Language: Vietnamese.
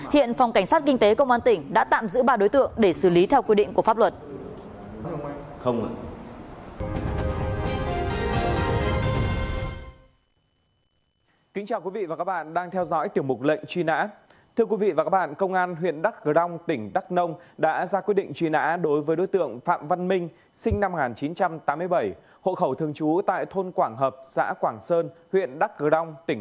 hiện phòng cảnh sát kinh tế công an tỉnh đã tạm giữ ba đối tượng để xử lý theo quy định của pháp luật